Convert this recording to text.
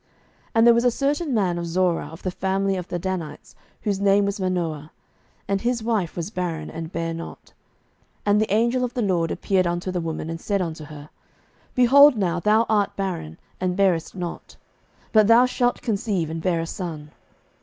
07:013:002 And there was a certain man of Zorah, of the family of the Danites, whose name was Manoah; and his wife was barren, and bare not. 07:013:003 And the angel of the LORD appeared unto the woman, and said unto her, Behold now, thou art barren, and bearest not: but thou shalt conceive, and bear a son.